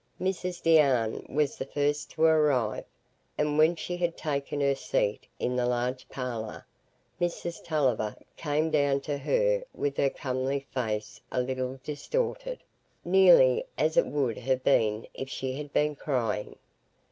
Mrs Deane was the first to arrive; and when she had taken her seat in the large parlour, Mrs Tulliver came down to her with her comely face a little distorted, nearly as it would have been if she had been crying.